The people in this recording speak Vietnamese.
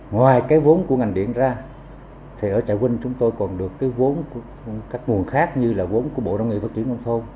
ngoài cái vốn của ngành điện ra thì ở trà vinh chúng tôi còn được cái vốn của các nguồn khác như là vốn của bộ nông nghiệp phát triển nông thôn